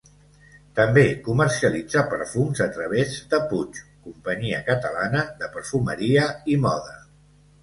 També comercialitza perfums a través de Puig, companyia catalana de perfumeria i moda.